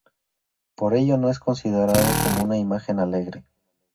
Por ello no es considerado como una imagen alegre.